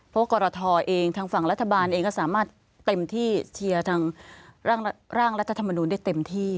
เพราะกรทเองทางฝั่งรัฐบาลเองก็สามารถเต็มที่เชียร์ทางร่างรัฐธรรมนูลได้เต็มที่